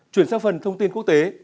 chuyển sang phần thông tin quốc tế